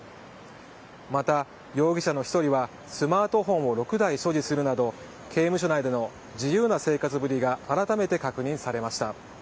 また、容疑者の１人はスマートフォンを６台所持するなど刑務所内での自由な生活ぶりが改めて確認されました。